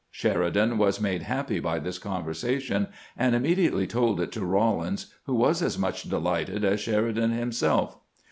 Sheridan was made happy by this conversation, and immediately told it to Rawlins, who was as much delighted as Sheridan him self.